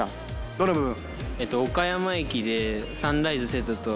どの部分？